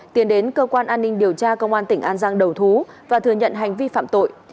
tiến đến cơ quan an ninh điều tra công an tỉnh an giang đầu thú và thừa nhận hành vi phạm tội